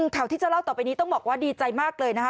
ข่าวที่จะเล่าต่อไปนี้ต้องบอกว่าดีใจมากเลยนะคะ